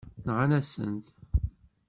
Nɣant-asen-t.